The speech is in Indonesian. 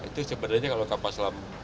itu sebenarnya kalau kapal selam